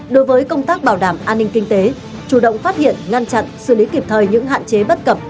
đối với công tác bảo đảm an ninh kinh tế chủ động phát hiện ngăn chặn xử lý kịp thời những hạn chế bất cập